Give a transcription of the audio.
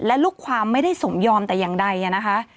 และลูกความไม่ได้สมยอมแต่อย่างใดนะคะ